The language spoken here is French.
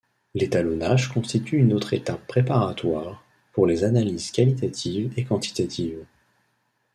L'étalonnage constitue une autre étape préparatoire pour les analyses qualitative et quantitative.